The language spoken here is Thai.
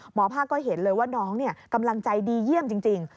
หมอภาคก็เห็นเลยว่าน้องกำลังใจดีเยี่ยมจริง